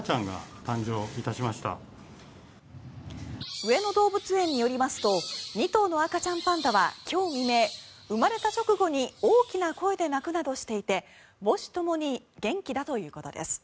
上野動物園によりますと２頭の赤ちゃんパンダは今日未明、生まれた直後に大きな声で鳴くなどしていて母子ともに元気だということです。